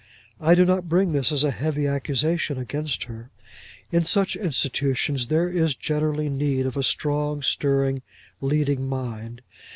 I do not bring this as a heavy accusation against her. In such institutions there is generally need of a strong, stirring, leading mind.